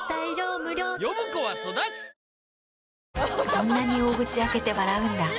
そんなに大口開けて笑うんだ。